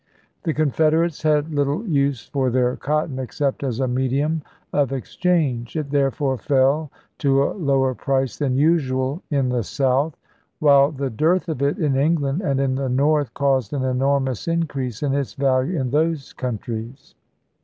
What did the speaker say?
The Confederates had little use for their cotton, except as a medium of ex change ; it therefore fell to a lower price than usual in the South; while the dearth of it in England and in the North caused an enormous increase in its value in those countries.